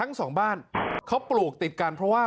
นั่นแหละครับ